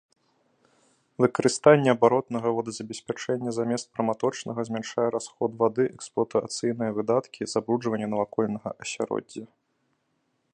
Выкарыстанне абаротнага водазабеспячэння замест праматочнага змяншае расход вады, эксплуатацыйныя выдаткі, забруджванне навакольнага асяроддзя.